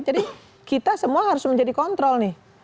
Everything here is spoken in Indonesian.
jadi kita semua harus menjadi kontrol nih